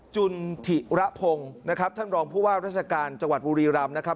จุนถิระพงศ์นะครับท่านรองผู้ว่าราชการจังหวัดบุรีรำนะครับ